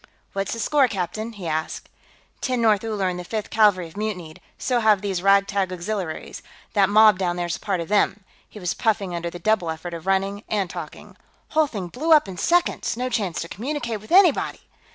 "What's the score, captain?" he asked. "Tenth North Uller and the Fifth Cavalry have mutinied; so have these rag tag Auxiliaries. That mob down there's part of them." He was puffing under the double effort of running and talking. "Whole thing blew up in seconds; no chance to communicate with anybody...."